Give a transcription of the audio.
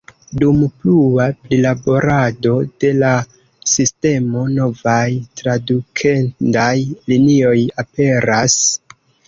Dum plua prilaborado de la sistemo, novaj tradukendaj linioj aperas.